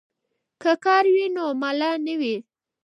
که کار وي نو ماله نه وي.